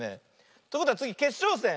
ってことはつぎけっしょうせん。